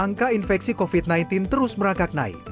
angka infeksi covid sembilan belas terus merangkak naik